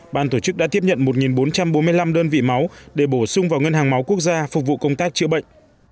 ban tổ chức đã tiếp nhận một bốn trăm bốn mươi năm đơn vị máu để bổ sung vào ngân hàng máu quốc gia phục vụ công tác chữa bệnh